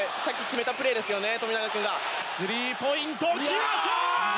スリーポイント来ました！